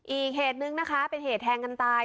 อีกเหตุนึงนะคะเป็นเหตุแทงกันตาย